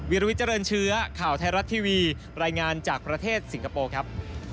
วิทเจริญเชื้อข่าวไทยรัฐทีวีรายงานจากประเทศสิงคโปร์ครับ